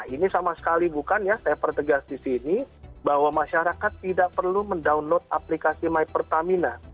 ini sama sekali bukan ya saya pertegas di sini bahwa masyarakat tidak perlu mendownload aplikasi my pertamina